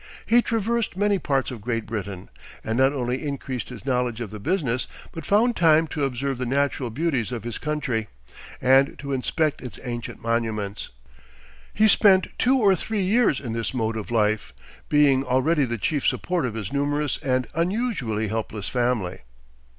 He traversed many parts of Great Britain, and not only increased his knowledge of the business, but found time to observe the natural beauties of his country, and to inspect its ancient monuments. He spent two or three years in this mode of life, being already the chief support of his numerous and unusually helpless family.